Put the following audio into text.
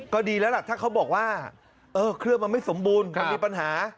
ก็ดีแล้วล่ะถ้าเขาบอกว่าเออเครื่องมันไม่สมบูรณ์มันมีปัญหา